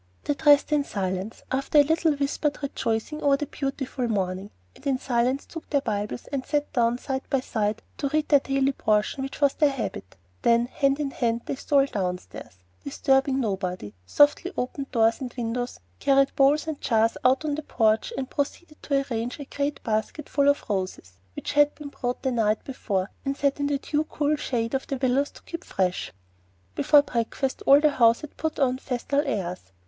They dressed in silence, after a little whispered rejoicing over the beautiful morning, and in silence took their Bibles and sat down side by side to read the daily portion which was their habit. Then hand in hand they stole downstairs, disturbing nobody, softly opened doors and windows, carried bowls and jars out on the porch, and proceeded to arrange a great basket full of roses which had been brought the night before, and set in the dew cool shade of the willows to keep fresh. Before breakfast all the house had put on festal airs.